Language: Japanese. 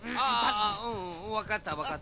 ああうんわかったわかった。